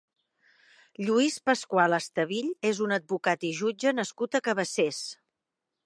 Lluís Pascual Estevill és un advocat i jutge nascut a Cabassers.